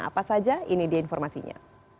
apa saja ini dia informasinya